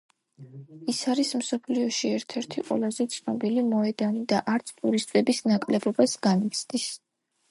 ის არის მსოფლიოში ერთ-ერთი ყველაზე ცნობილი მოედანი და არც ტურისტების ნაკლებობას განიცდის.